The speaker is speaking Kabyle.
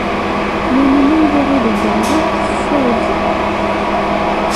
Yamina n Yiɣil Ubeṛwaq teffud.